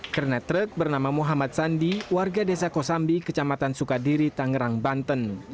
kernet truk bernama muhammad sandi warga desa kosambi kecamatan sukadiri tangerang banten